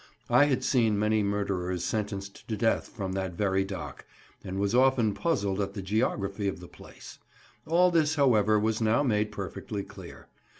I had seen many murderers sentenced to death from that very dock, and was often puzzled at the geography of the place; all this, however, was now made perfectly clear.